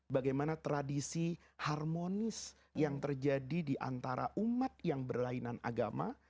bagaimana tradisi harmonis yang terjadi di antara umat yang berlainan agama